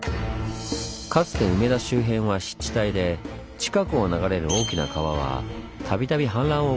かつて梅田周辺は湿地帯で近くを流れる大きな川は度々氾濫を起こしていました。